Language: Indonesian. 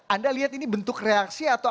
anda lihat ini bentuk reaksi atau